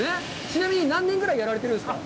ちなみに何年ぐらいやられてるんですか。